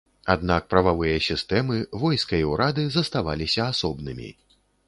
Аднак прававыя сістэмы, войска і ўрады заставаліся асобнымі.